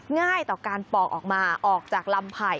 ง่ายต่อการปอกออกมาออกจากลำไผ่